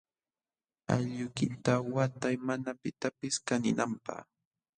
Allquykita watay mana pitapis kaninanpaq.